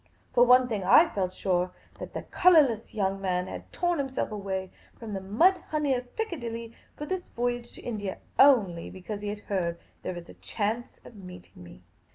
For of one thing I felt sure, that the colourless young man had torn himself away from the mud honey of Piccadilly for this voyage to India only because he had heard there was a chance of meeting me.